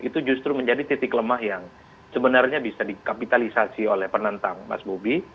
itu justru menjadi titik lemah yang sebenarnya bisa dikapitalisasi oleh penentang mas bobi